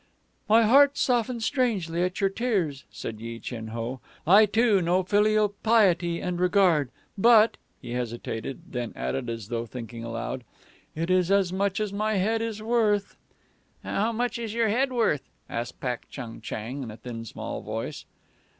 "My heart softens strangely at your tears," said Yi Chin Ho. "I, too, know filial piety and regard. But " He hesitated, then added, as though thinking aloud, "It is as much as my head is worth." "How much is your head worth?" asked Pak Chung Chang in a thin, small voice.